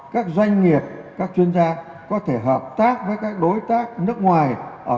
các doanh nghiệp các chuyên gia có thể hợp tác với các đối tác nước ngoài